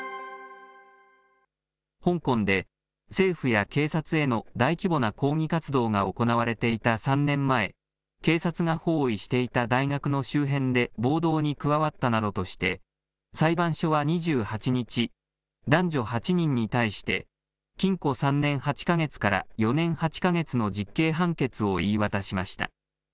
香港で政府や警察への大規模な抗議活動が行われていた３年前、警察が包囲していた大学の周辺で暴動に加わったなどとして、裁判所は２８日、男女８人に対して禁錮３年８か月から４年８か月の実刑判決を言い渡しました。